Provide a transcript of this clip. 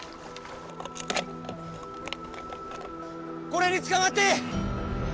これにつかまって！